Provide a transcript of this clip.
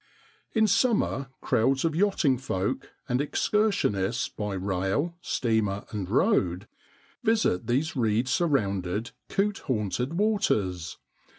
In summer crowds of yachting folk, and excursionists by rail, steamer, and road, visit these reed surrounded, coot haunted waters.